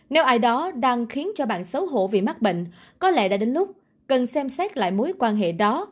nếu ai đó đang khiến cho bạn xấu hổ vì mắc bệnh có lẽ đã đến lúc cần xem xét lại mối quan hệ đó